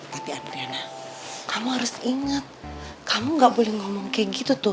tapi adriana kamu harus ingat kamu gak boleh ngomong kayak gitu tuh